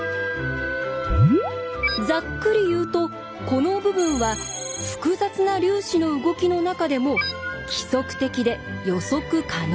ざっくり言うとこの部分は複雑な粒子の動きの中でも規則的で予測可能な部分。